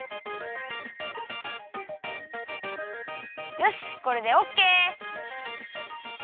よしこれでオッケー！